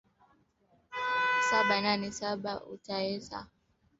saba nne saba utueleza